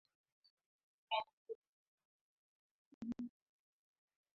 Tabia ya mnyama kutembea kusiko kwa kawaida ni dalili ya kichaa cha mbwa